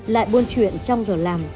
lại buôn chuyện trong giờ làm